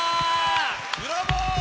ブラボー！